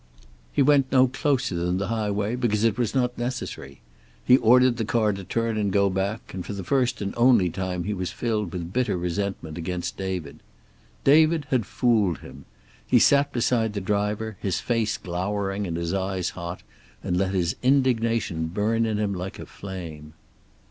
He went no closer than the highway, because it was not necessary. He ordered the car to turn and go back, and for the first and only time he was filled with bitter resentment against David. David had fooled him. He sat beside the driver, his face glowering and his eyes hot, and let his indignation burn in him like a flame.